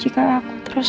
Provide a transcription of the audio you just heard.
yaudah pun jauh lebih luas